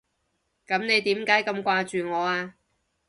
噉你點解咁掛住我啊？